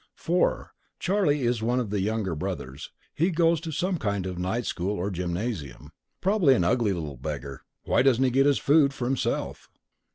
"4. Charlie is one of the younger brothers. He goes to some kind of night school or gymnasium. Probably an ugly little beggar. Why doesn't he get his food for himself?